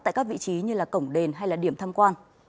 tại các vị trí như cổng đền hay điểm thăm quan